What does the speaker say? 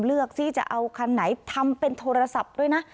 เลือกที่จะเอาคันไหนทำเป็นโทรศัพท์ด้วยนะ